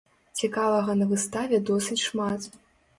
Цікавага на выставе досыць шмат.